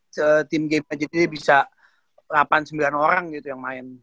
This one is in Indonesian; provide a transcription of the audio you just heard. team game aja jadi bisa delapan sembilan orang gitu yang main